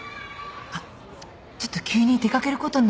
あっちょっと急に出掛けることになって。